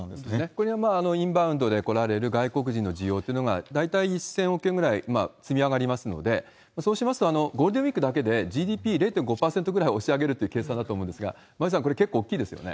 これはまあ、インバウンドで来られる外国人の需要というのが大体１０００億円ぐらい積み上がりますので、そうしますと、ゴールデンウィークだけでＧＤＰ０．５％ぐらい押し上げるという計算だと思うんですが、馬渕さん、これ、結構大きいですよね。